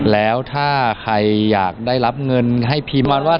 แล้วถ้าใครอยากได้รับเงินให้พิมพ์มาว่า